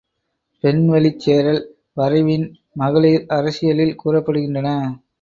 பெண் வழிச் சேறல், வரைவின் மகளிர் அரசியலில் கூறப்படுகின்றன.